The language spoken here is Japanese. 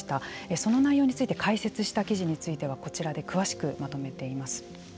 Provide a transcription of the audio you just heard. その内容について解説した記事についてはこちらで詳しくまとめています。